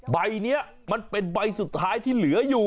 ใบนี้มันเป็นใบสุดท้ายที่เหลืออยู่